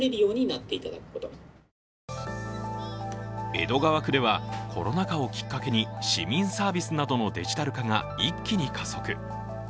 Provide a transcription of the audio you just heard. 江戸川区ではコロナ禍をきっかけに市民サービスなどのデジタル化が一気に加速。